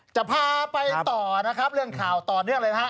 จะพาไปต่อเรื่องข่าวต่อเนื่องเลยนะครับ